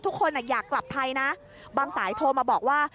ทุกคนอยากกลับไทยนะบางสายโทรมาบอกว่า